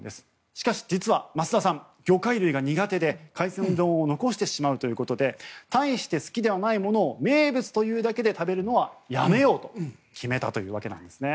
しかし、実は益田さん魚介類が苦手で海鮮丼を残してしまうということで大して好きではないものを名物というだけで食べるのはやめようと決めたということです。